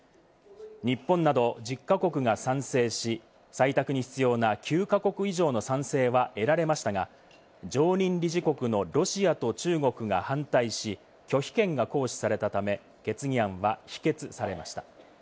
日本など１０か国が賛成し、採択に必要な９か国以上の賛成は得られましたが、常任理事国のロシアと中国が反対し、拒否権が行使されたため、決議案は否決されました。